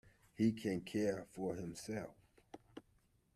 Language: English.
He can care for himself.